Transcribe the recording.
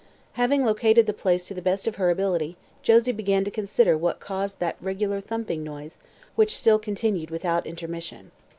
Having located the place to the best of her ability Josie began to consider what caused that regular, thumping noise, which still continued without intermission.